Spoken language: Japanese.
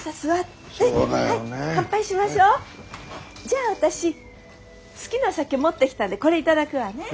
じゃあ私好きな酒持ってきたんでこれ頂くわね。